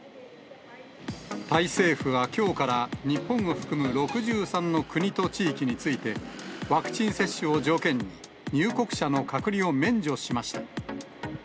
タイ政府はきょうから、日本を含む６３の国と地域について、ワクチン接種を条件に、入国者の隔離を免除しました。